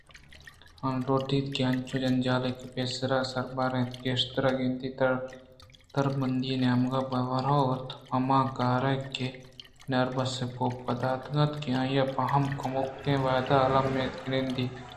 آ نہ لوٹیت کہ انچو جنجال کہ چہ پیسرا سرا بار اَنت گیشتر ءُگند تر بدی نیمگ ءَ بہ رواَنت ءُ ہما کارے کہ بناربس ءِ کوپگاں داتگ اَنت آئی ءَ پہ ہم کموکیں ودار المّی اِنت ءُآ نندگ